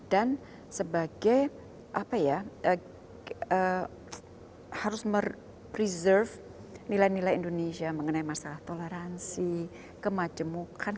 dan sebagai apa ya harus menjaga nilai nilai indonesia mengenai masalah toleransi kemajemukan